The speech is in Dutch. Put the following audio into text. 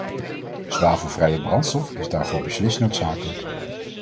Zwavelvrije brandstof is daarvoor beslist noodzakelijk.